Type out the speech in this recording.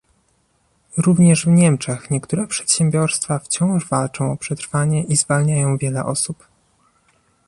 Również w Niemczech niektóre przedsiębiorstwa wciąż walczą o przetrwanie i zwalniają wiele osób